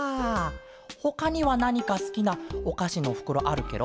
ほかにはなにかすきなおかしのふくろあるケロ？